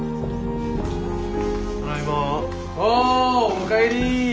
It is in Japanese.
おおかえり。